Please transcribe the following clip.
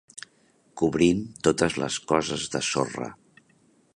Cobrint totes les coses de sorra.